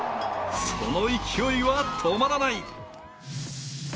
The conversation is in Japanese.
その勢いは止まらない。